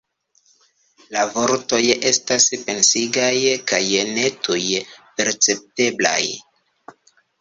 La vortoj estas pensigaj kaj ne tuj percepteblaj.